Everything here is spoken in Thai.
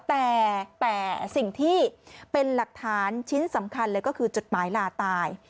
แต่สิ่งที่เป็นหลักฐานชิ้นสำคัญเลยก็คือจดหมายลาตาย